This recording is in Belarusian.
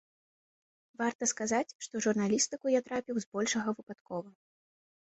Варта сказаць, што ў журналістыку я трапіў збольшага выпадкова.